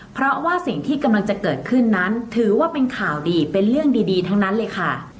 เพราะว่าสิ่งที่กำลังจะเกิดขึ้นนั้นถือว่าเป็นข่าวดีเป็นเรื่องดีทั้งนั้นเลยค่ะ